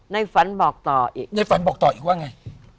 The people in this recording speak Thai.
ในฝันบอกต่ออีกในฝันบอกต่ออีกว่าไง